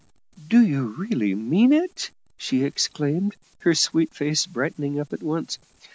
"Do you really mean it?" she exclaimed, her sweet face brightening up at once.